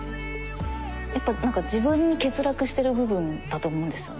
やっぱ何か自分に欠落してる部分だと思うんですよね。